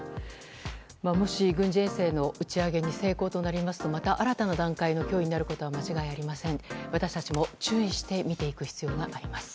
もし軍事衛星の打ち上げに成功となりますとまた新たな段階の脅威になることは間違いありません。